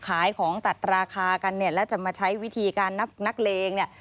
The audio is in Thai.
ขายของตัดราคากันเนี่ยแล้วจะมาใช้วิธีการนักเลงเนี่ย